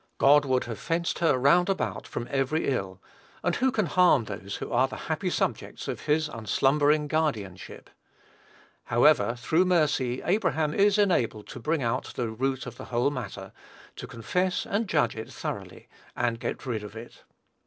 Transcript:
God would have fenced her round about from every ill; and who can harm those who are the happy subjects of his unslumbering guardianship? However, through mercy, Abraham is enabled to bring out the root of the whole matter, to confess and judge it thoroughly, and get rid of it.